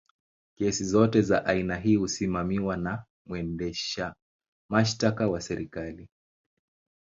kesi zote za aina hii husimamiwa na mwendesha mashtaka wa serikali